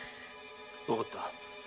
分かった。